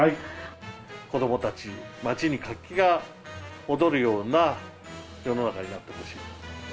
子どもたち、街に活気が戻るような世の中になってほしい。